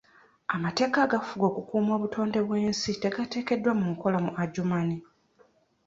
Amateeka agafuga okukuuma obutonde bw'ensi tegateekebwa mu nkola mu Adjumani.